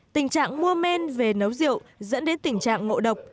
tình trạng mua men về nấu rượu dẫn đến tình trạng ngộ độc